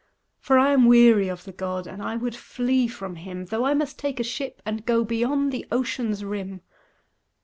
For I am weary of the god, And I would flee from him Tho' I must take a ship and go Beyond the ocean's rim.